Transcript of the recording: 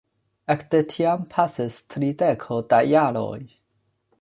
Ekde tiam pasis trideko da jaroj.